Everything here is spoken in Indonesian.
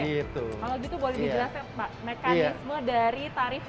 kalau gitu boleh dijelaskan pak mekanisme dari tarif